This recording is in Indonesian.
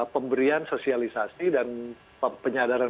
pemberian sosialisasi dan penyadaran